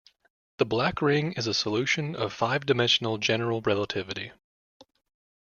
The black ring is a solution of five-dimensional general relativity.